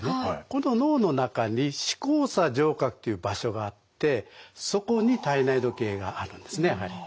この脳の中に視交叉上核という場所があってそこに体内時計があるんですねやはり。